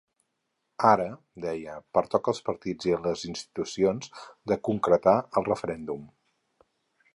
Ara –deia– pertoca als partits i a les institucions de ‘concretar el referèndum’.